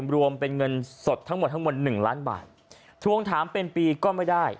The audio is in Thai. รวมเป็นเงินสดทั้งหมดทั้งหมด๑ล้านบาททวงถามเป็นปีก็ไม่ได้